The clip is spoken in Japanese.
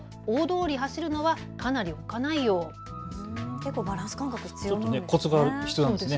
結構、バランス感覚必要なんですね。